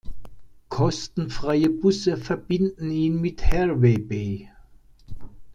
Kostenfreie Busse verbinden ihn mit Hervey Bay.